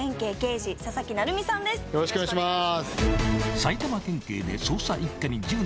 よろしくお願いします。